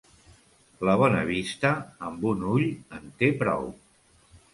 La bona vista amb un ull en té prou.